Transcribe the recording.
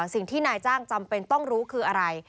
สิ่งที่นายจ้างจำเป็นต้องรู้คืออะไร